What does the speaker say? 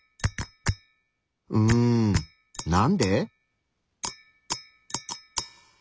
うんなんで？